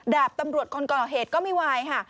ดาบตำรวจคนก่อเหตุก็ไม่วายค่ะ